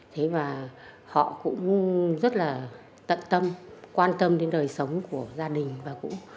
thế và họ cũng rất là tận tâm quan tâm đến đời sống của gia đình và cũng